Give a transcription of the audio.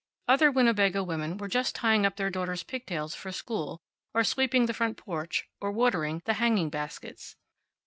Other Winnebago women were just tying up their daughters' pigtails for school, or sweeping the front porch, or watering the hanging baskets.